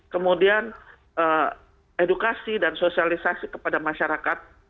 kemudian edukasi dan sosialisasi kepada masyarakat